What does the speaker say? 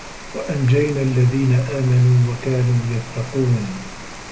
وَأَنجَينَا الَّذينَ آمَنوا وَكانوا يَتَّقونَ